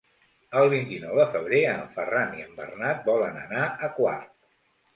El vint-i-nou de febrer en Ferran i en Bernat volen anar a Quart.